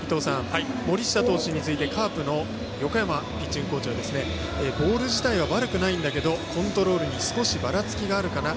森下投手についてカープの横山ピッチングコーチはボール自体は悪くないんだけどコントロールに少し、ばらつきがあるかな。